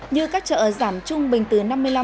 như các chợ giảm trung bình từ năm mươi năm sáu mươi năm